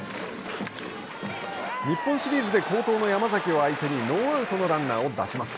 日本シリーズで好投を山崎を相手にノーアウトのランナーを出します。